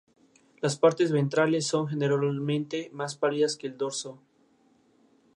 Las partes ventrales son generalmente más pálidas que el dorso.